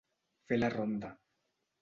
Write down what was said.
Fer la ronda.